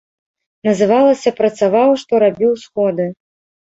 Называлася працаваў, што рабіў сходы.